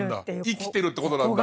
生きてるってことなんだ。